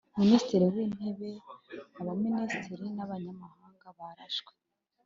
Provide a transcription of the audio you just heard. Miisititiri w Intebe Abaminisitiri na Abanyamabanga barashwe